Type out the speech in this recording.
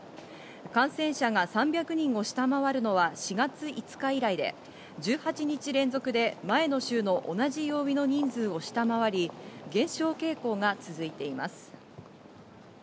感染者が３００人を下回るのは４月５日以来で、１８日連続で前の週の同じ曜日の人数を下回り、減少傾向が続いています。